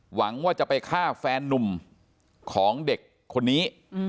หวังว่าจะไปฆ่าแฟนนุ่มของเด็กคนนี้